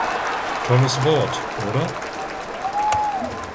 Tolles Wort, oder?